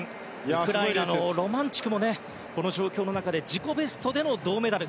ウクライナのロマンチュクもこの状況の中で自己ベストでの銅メダル。